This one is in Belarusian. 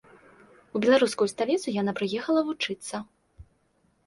У беларускую сталіцу яна прыехала вучыцца.